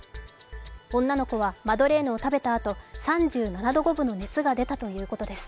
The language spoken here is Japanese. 女の子はマドレーヌを食べたあと、３７度５分の熱が出たということです